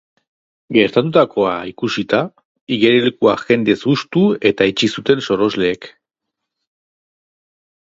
Gertatutakoa ikusita, igerilekua jendez hustu eta itxi zuten sorosleek.